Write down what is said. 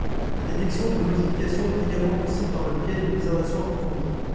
La détection de modifications est également possible par le biais d’une observation approfondie.